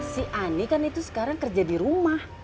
si ani kan itu sekarang kerja di rumah